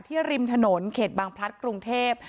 ริมถนนเขตบางพลัดกรุงเทพ